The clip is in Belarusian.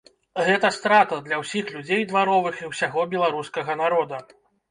Гэта страта для ўсіх людзей дваровых і ўсяго беларускага народа.